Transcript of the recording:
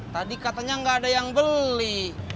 tadi katanya nggak ada yang beli